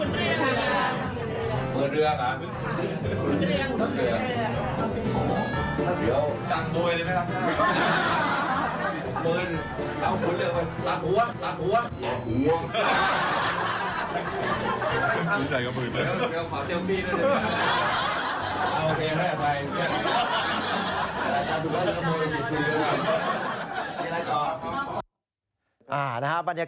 จะรอได้ครับท่าน